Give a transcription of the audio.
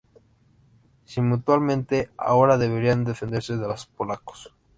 Simultáneamente ahora deberían defenderse de los polacos.